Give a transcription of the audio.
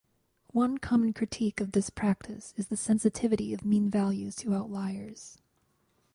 One common critique of this practice is the sensitivity of mean values to outliers.